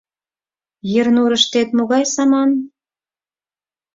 Ернурыштет могай саман?